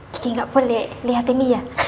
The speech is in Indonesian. nggak boleh lihat ini ya